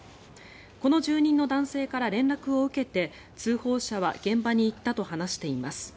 この住人の男性から連絡を受けて通報者は現場に行ったと話しています。